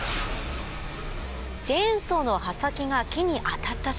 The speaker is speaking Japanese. チェーンソーの刃先が木に当たった瞬間